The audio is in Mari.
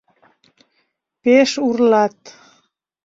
пеш урлат.